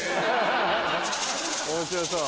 面白そう。